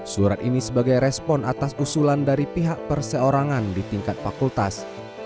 surat ini sebagai respon atas usulan dari pihak perseorangan di tingkat fakultas